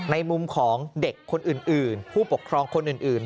ในมุมของเด็กคนอื่นผู้ปกครองคนอื่น